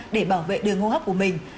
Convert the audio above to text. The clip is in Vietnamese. để bảo vệ đường hô hấp của mình